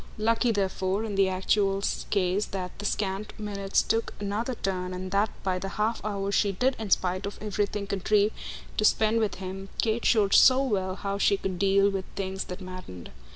Lucky therefore in the actual case that the scant minutes took another turn and that by the half hour she did in spite of everything contrive to spend with him Kate showed so well how she could deal with things that maddened.